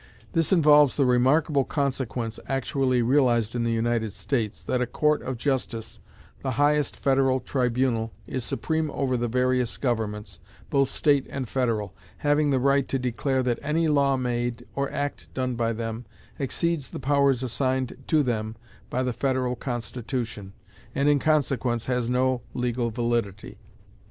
This involves the remarkable consequence, actually realized in the United States, that a court of justice, the highest federal tribunal, is supreme over the various governments, both state and federal, having the right to declare that any law made, or act done by them, exceeds the powers assigned to them by the federal Constitution, and, in consequence, has no legal validity.